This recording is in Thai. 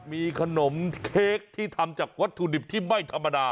มีขนมเค้กที่ทำจากวัตถุดิบที่ไม่ธรรมดา